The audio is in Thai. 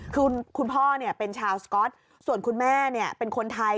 คือคุณพ่อเป็นชาวสก๊อตส่วนคุณแม่เป็นคนไทย